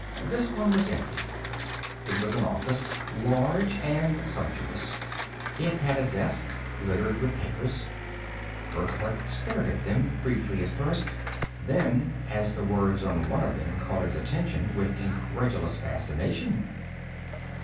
This one was empty. It was an office, large and sumptuous. It had a desk, littered with papers. Burckhardt stared at them, briefly at first then, as the words on one of them caught his attention, with incredulous fascination.